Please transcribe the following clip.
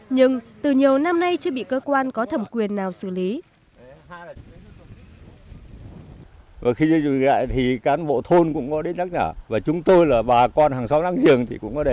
nhưng từ nhiều năm nay chưa bị cơ quan có thẩm quyền nào xử lý